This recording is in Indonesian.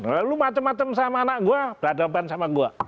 lalu macem macem sama anak gua beradaban sama gua